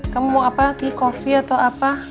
kamu mau apa ke coffee atau apa